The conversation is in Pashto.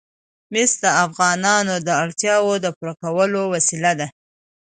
مس د افغانانو د اړتیاوو د پوره کولو وسیله ده.